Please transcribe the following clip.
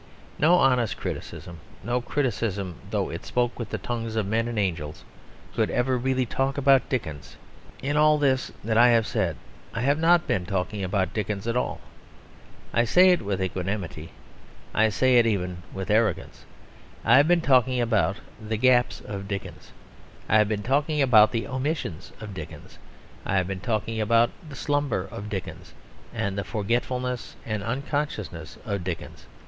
But no honest criticism, no criticism, though it spoke with the tongues of men and angels, could ever really talk about Dickens. In all this that I have said I have not been talking about Dickens at all. I say it with equanimity; I say it even with arrogance. I have been talking about the gaps of Dickens. I have been talking about the omissions of Dickens. I have been talking about the slumber of Dickens and the forgetfulness and unconsciousness of Dickens.